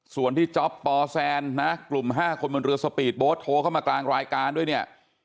ส่วนที่จ๊อปปแซนนะกลุ่ม๕คนบนเรือสปีดโบ๊ทโทรเข้ามากลางรายการด้วยเนี่ย